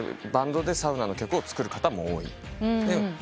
バンドでサウナの曲を作る方も多い。